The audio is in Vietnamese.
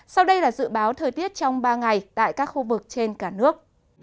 sau đây là dự báo thời tiết trong ba ngày tại các khu vực trên cả nước